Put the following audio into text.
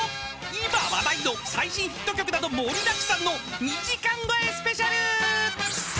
［今話題の最新ヒット曲など盛りだくさんの２時間超えスペシャル！］